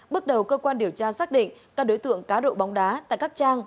bước đầu cơ quan điều tra xác định các đối tượng cá độ bóng đá tại các trang